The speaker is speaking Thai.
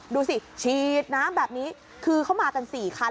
ดูสิฉีดน้ำแบบนี้คือเขามากัน๔คัน